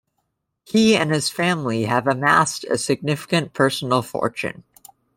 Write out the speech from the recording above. He and his family have amassed a significant personal fortune.